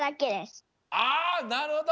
ああなるほど！